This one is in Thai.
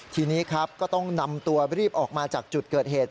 ทีนี้ครับก็ต้องนำตัวรีบออกมาจากจุดเกิดเหตุ